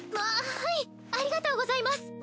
ありがとうございます！